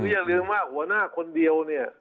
อย่าลืมว่าหัวหน้าคนเดียวเนี่ย